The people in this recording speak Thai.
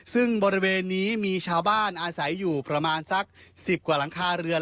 ซึ่งบริเวณนี้มีชาวบ้านอาศัยอยู่ประมาณสัก๑๐กว่าหลังคาเรือน